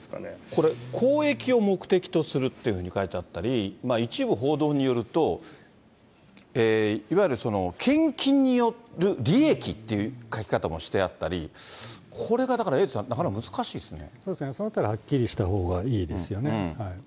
これ、公益を目的とするというふうに書いてあったり、一部報道によると、いわゆる献金による利益っていう書き方もしてあったり、これがだからエイトさん、なかなか難しいですね。